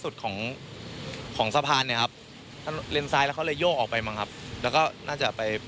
ลงแล้วครับลงแล้วครับใช่